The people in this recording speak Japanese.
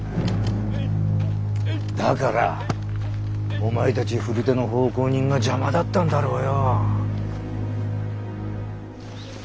だからお前たち古手の奉公人が邪魔だったんだろうよ。